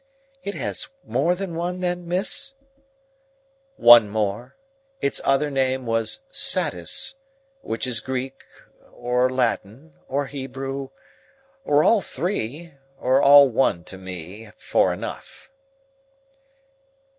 "It has more than one, then, miss?" "One more. Its other name was Satis; which is Greek, or Latin, or Hebrew, or all three—or all one to me—for enough."